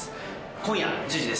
今夜１０時です。